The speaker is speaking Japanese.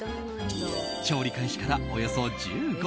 調理開始から、およそ１５分。